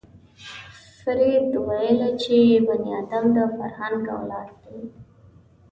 فروید ویلي چې بني ادم د فرهنګ اولاد دی